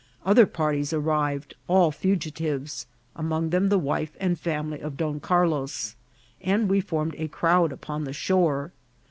Other parties arrived, all fugi tives, among them the wife and family of Don Carlos, and we formed a crowd upon the shore.